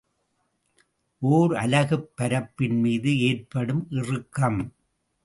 ஒர் அலகுப் பரப்பின் மீது ஏற்படும் இறுக்கம்.